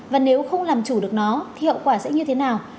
và nếu không làm chủ được nó thì hậu quả sẽ như thế nào